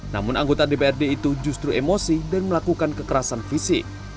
namun anggota dprd itu justru emosi dan melakukan kekerasan fisik